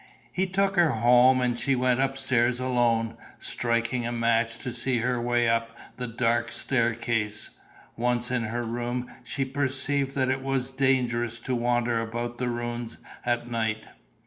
He took her home and she went upstairs alone, striking a match to see her way up the dark staircase. Once in her room, she perceived that it was dangerous to wander about the ruins at night.